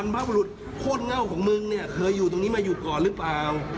เป็นยังไงล่ะ